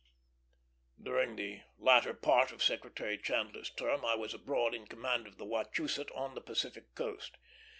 During the latter part of Secretary Chandler's term I was abroad in command of the Wachusett, on the Pacific coast.